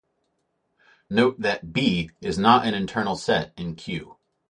Note that "B" is not an internal set in Q.